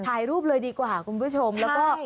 ถ่ายรูปเลยดีกว่าคุณผู้ชมแล้วก็